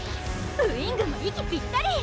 ウィングも息ぴったり！